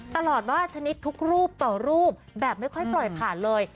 ตลอดว่าชนิดทุกรูปต่อรูปแบบไม่ค่อยปล่อยผ่านเลย